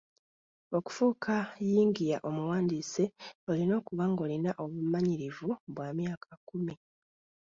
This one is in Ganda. Okufuuka yingiya omuwandiise, olina okuba ng'olina obumanyirivu bwa emyaka kkumi.